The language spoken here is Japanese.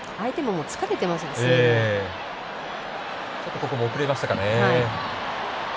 ここも遅れましたかね。